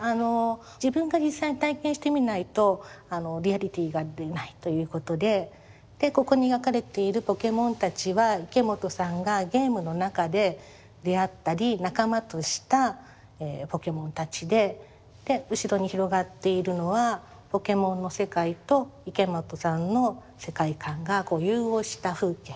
自分が実際に体験してみないとリアリティーが出ないということででここに描かれているポケモンたちは池本さんがゲームの中で出会ったり仲間としたポケモンたちでで後ろに広がっているのはポケモンの世界と池本さんの世界観が融合した風景。